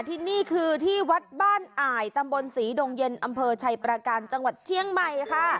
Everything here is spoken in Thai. ที่นี่คือที่วัดบ้านอ่ายตำบลศรีดงเย็นอำเภอชัยประการจังหวัดเชียงใหม่ค่ะ